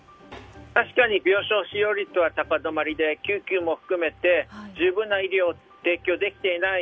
確かに病床使用率は高止まりで救急も含めて十分な医療を提供できていない